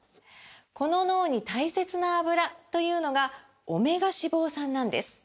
この脳に大切なアブラというのがオメガ脂肪酸なんです！